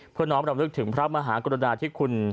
เพื่อน้องเรามนึกถึงพระมหากรณาธิคุณ